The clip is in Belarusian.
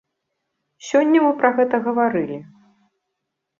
Сёння мы пра гэта гаварылі.